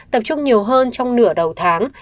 tập trung nhiều hơn trong nửa đầu tháng